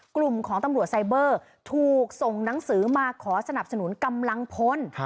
กลุ่มของตำรวจไซเบอร์ถูกส่งหนังสือมาขอสนับสนุนกำลังพล